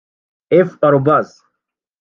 f@